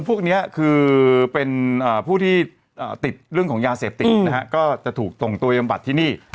พวกนี้คือเป็นผู้ที่ติดเรื่องของยาเสพติดนะฮะก็จะถูกส่งตัวยำบัดที่นี่